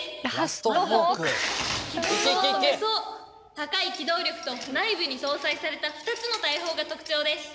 高い機動力と内部に搭載された２つの大砲が特徴です。